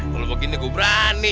kalau begini aku berani